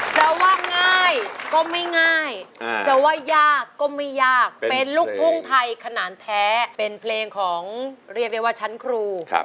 จะว่าง่ายก็ไม่ง่ายจะว่ายากก็ไม่ยากเป็นลูกทุ่งไทยขนาดแท้เป็นเพลงของเรียกได้ว่าชั้นครู